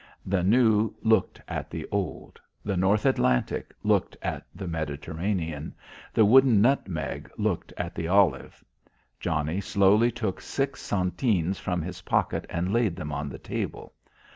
The new looked at the old; the North Atlantic looked at the Mediterranean; the wooden nutmeg looked at the olive. Johnnie slowly took six centenes from his pocket and laid them on the table.